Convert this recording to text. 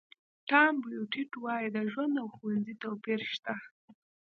ټام بوډیټ وایي د ژوند او ښوونځي توپیر شته.